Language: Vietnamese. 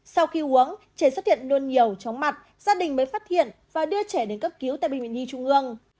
sau khi uống trẻ xuất hiện luôn nhiều chóng mặt gia đình mới phát hiện và đưa trẻ đến cấp cứu tại bệnh viện nhi trung ương